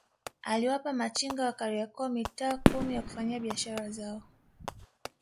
Aliwapa machinga wa Kariakoo mitaa kumi ya kufanyia biashara zao